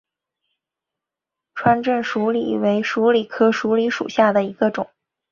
川滇鼠李为鼠李科鼠李属下的一个种。